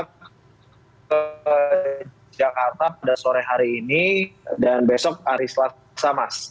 ke jakarta pada sore hari ini dan besok hari selasa mas